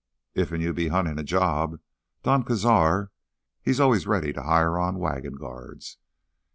"Iffen you be huntin' a job—Don Cazar, he's always ready to hire on wagon guards.